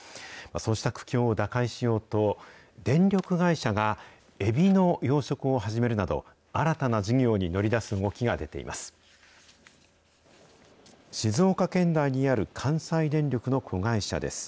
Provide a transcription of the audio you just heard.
そうした苦境を打開しようと、電力会社がエビの養殖を始めるなど、新たな事業に乗り出す動きが出ています。